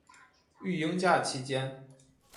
育婴假期间